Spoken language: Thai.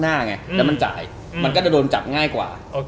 จริงก็จงขายแบ็คขวามาง่ายกว่า